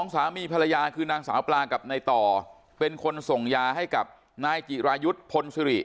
สามีภรรยาคือนางสาวปลากับนายต่อเป็นคนส่งยาให้กับนายจิรายุทธ์พลศิริ